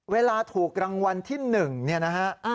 เวลาถูกรางวัลที่๑นะฮะ